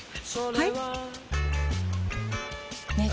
はい！